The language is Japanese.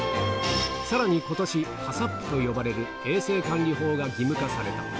さらにことし、ハサップと呼ばれる衛生管理法が義務化された。